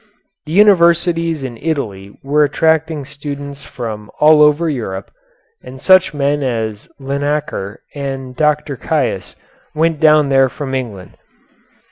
The universities in Italy were attracting students from all over Europe, and such men as Linacre and Dr. Caius went down there from England.